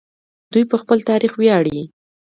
دوی په خپل تاریخ ویاړي.